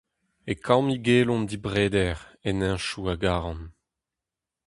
E kammigellont dibreder, en hentoù a garan.